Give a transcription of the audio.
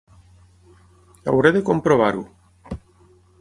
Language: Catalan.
Hauré de comprovar-ho.